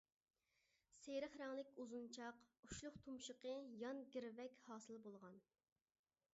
سېرىق رەڭلىك ئۇزۇنچاق، ئۇچلۇق تۇمشۇقى يان گىرۋەك ھاسىل بولغان.